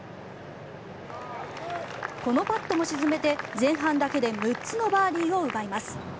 このパットも沈めて前半だけで６つのバーディーを奪います。